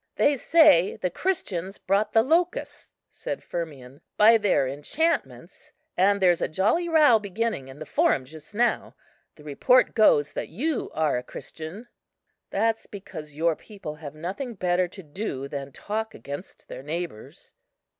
"They say the Christians brought the locusts," said Firmian, "by their enchantments; and there's a jolly row beginning in the Forum just now. The report goes that you are a Christian." "That's because your people have nothing better to do than talk against their neighbours."